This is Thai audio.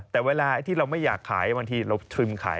แต่เวลาที่เราไม่อยากขาย